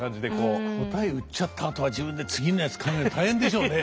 答え売っちゃったあとは自分で次のやつ考えるの大変でしょうね。